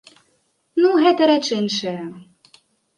Ну, гэта рэч іншая.